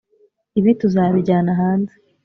Ibi tuzabijyana hanze